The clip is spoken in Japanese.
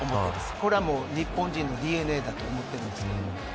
これは日本人のＤＮＡだと思っています。